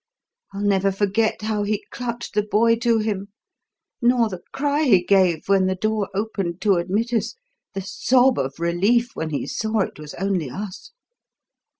I'll never forget how he clutched the boy to him nor the cry he gave when the door opened to admit us, the sob of relief when he saw it was only us.